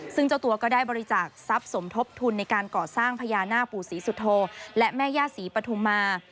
ซึ่งเจ้าตัวก็ได้บริจาคทรัพย์สมทบทุนในการก่อสร้างพญานาคปู่ศรีสุโธและแม่ย่าศรีปฐุมา